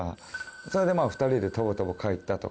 それでまあ２人でとぼとぼ帰ったとか。